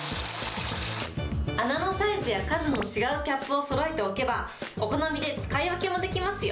穴のサイズや数の違うキャップをそろえておけば、お好みで使い分けもできますよ。